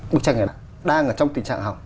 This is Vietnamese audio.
bức tranh này đang ở trong tình trạng hỏng